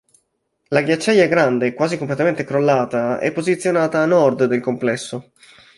La "Ghiacciaia grande", quasi completamente crollata, è posizionata a nord del complesso.